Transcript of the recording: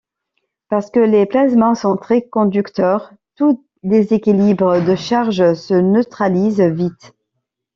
Parce que les plasmas sont très conducteurs, tout déséquilibre de charge se neutralise vite.